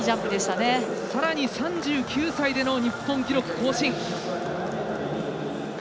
さらに３９歳での日本記録更新。